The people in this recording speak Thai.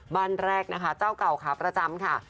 บ้านแรกนะคะเจ้าเก่าขาประจำค่ะ